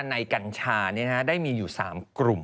กัญชาได้มีอยู่๓กลุ่ม